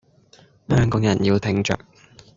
香港人要挺著